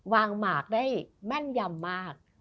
หมากได้แม่นยำมาก